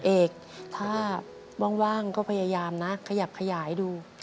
เอกถ้าว่างก็พยายามนะขยับขยายดู